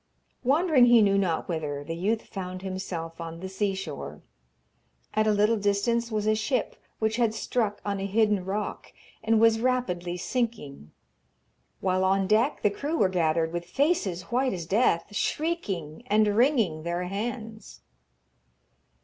Wandering he knew not whither, the youth found himself on the sea shore. At a little distance was a ship which had struck on a hidden rock, and was rapidly sinking, while on deck the crew were gathered, with faces white as death, shrieking and wringing their hands.